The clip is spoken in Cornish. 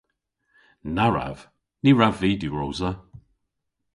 Na wrav! Ny wrav vy diwrosa.